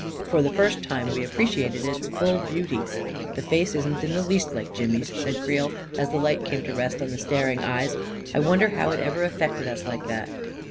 For the first time we appreciated its full beauty. " The face isn't in the least like Jimmy's," said Creel, as the light came to rest on the staring eyes. " I wonder how it ever affected us like that?